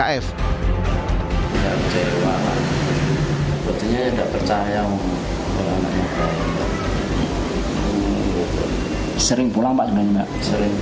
ayah kf adalah seorang kepala sekolah dasar negeri di ngawi